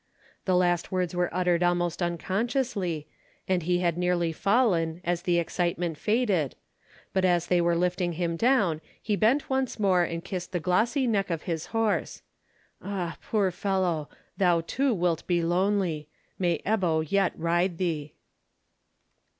The last words were uttered almost unconsciously, and he had nearly fallen, as the excitement faded; but, as they were lifting him down, he bent once more and kissed the glossy neck of his horse. "Ah! poor fellow, thou too wilt be lonely. May Ebbo yet ride thee!"